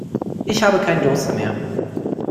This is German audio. Ich habe keinen Durst mehr.